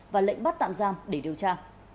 và lệnh bắt tạm giam để điều tra